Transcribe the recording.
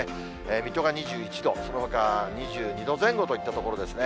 水戸が２１度、そのほか、２２度前後といったところですね。